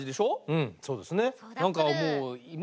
うんそうですね。